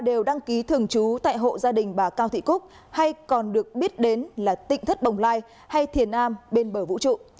cả ba đều đăng ký thường trú tại hộ gia đình bà cao thị cúc hay còn được biết đến là tỉnh thất bồng lai hay thiền am bên bờ vũ trụ